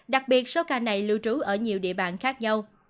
đặc biệt số ca này lưu trú ở nhiều địa bàn khác nhau